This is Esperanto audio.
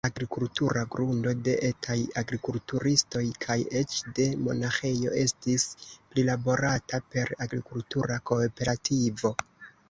Agrikultura grundo de etaj agrikulturistoj kaj eĉ de monaĥejo estis prilaborata per agrikultura kooperativo.